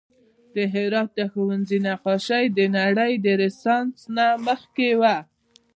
د هرات د ښوونځي نقاشي د نړۍ د رنسانس نه مخکې وه